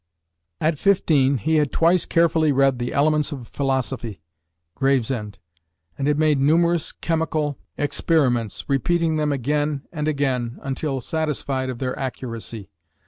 At fifteen, he had twice carefully read "The Elements of Philosophy" (Gravesend), and had made numerous chemical experiments, repeating them again and again, until satisfied of their accuracy.